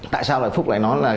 tại sao lại phúc lại nói là